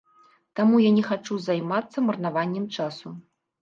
Таму я не хачу займацца марнаваннем часу.